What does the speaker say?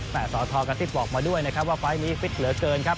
แต่สอทอกระซิบบอกมาด้วยนะครับว่าไฟล์นี้ฟิตเหลือเกินครับ